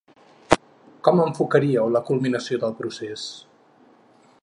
Com enfocaríeu la culminació del procés?